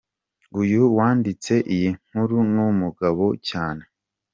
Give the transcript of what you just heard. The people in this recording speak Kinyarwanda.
uyu wanditse iyi nkuru numugabo cyane.